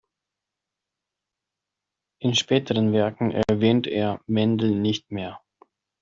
In späteren Werken erwähnt er Mendel nicht mehr.